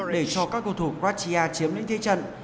để cho các cầu thủ quartia chiếm những thi trận